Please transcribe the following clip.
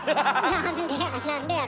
なんでや？